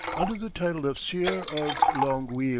under the title of Sieur of Longueuil.